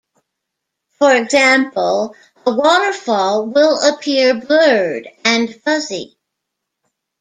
For example, a waterfall will appear blurred and fuzzy.